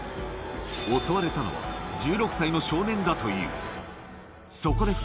襲われたのは、１６歳の少年だという。